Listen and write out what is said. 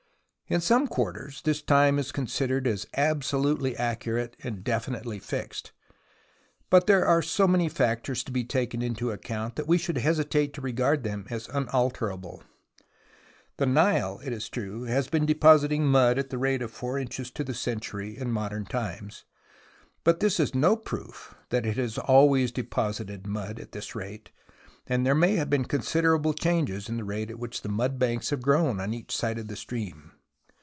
In some quarters this time is considered as absolutely accurate and definitely fixed, but there are so many factors to be taken into account that we should hesitate to regard them as unalterable. The Nile, it is true, has been depositing mud at the rate of 4 inches to the century in modern times, but this is no proof that it has always deposited mud at this rate, and there may have been con siderable changes in the rate at which the mud banks have grown on each side of the stream.